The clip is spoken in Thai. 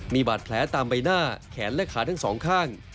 มีบาดแผลตามใบหน้าแขนและขาทั้งสองข้าง